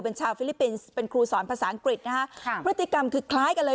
เป็นชาวฟิลิปปินส์เป็นครูสอนภาษาอังกฤษนะฮะค่ะพฤติกรรมคือคล้ายกันเลย